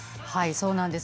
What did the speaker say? そうなんです。